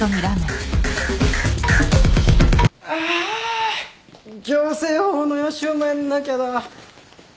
あ行政法の予習もやんなきゃだ。